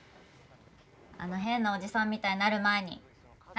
あの変なおじさんみたいになる前に早く脱いで！